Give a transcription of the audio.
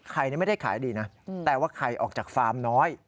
ไม่ได้ขายดีนะแต่ว่าไข่ออกจากฟาร์มน้อย